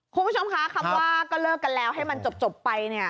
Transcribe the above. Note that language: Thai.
คุณผู้ชมคะคำว่าก็เลิกกันแล้วให้มันจบไปเนี่ย